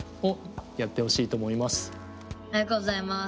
ありがとうございます。